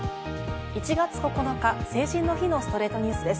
１月９日、成人の日のストレイトニュースです。